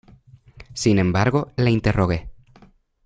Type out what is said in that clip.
sin embargo le interrogué: